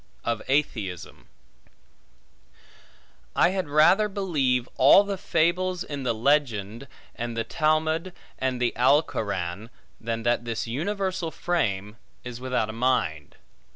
Of Atheism I HAD rather believe all the fables in the Legend, and the Talmud, and the Alcoran, than that this universal frame is without a mind.